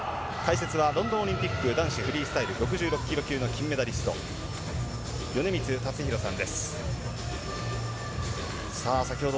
解説はロンドンオリンピックフリースタイル６６キロ級の金メダリスト、米満達弘さんです。